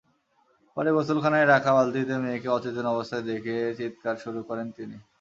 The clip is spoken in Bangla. পরে গোসলখানায় রাখা বালতিতে মেয়েকে অচেতন অবস্থায় দেখে চিৎকার শুরু করেন তিনি।